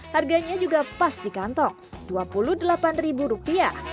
harganya juga pas di kantong rp dua puluh delapan